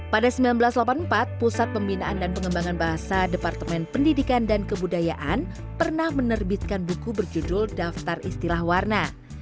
pada seribu sembilan ratus delapan puluh empat pusat pembinaan dan pengembangan bahasa departemen pendidikan dan kebudayaan pernah menerbitkan buku berjudul daftar istilah warna